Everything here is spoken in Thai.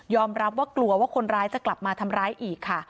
รับว่ากลัวว่าคนร้ายจะกลับมาทำร้ายอีกค่ะ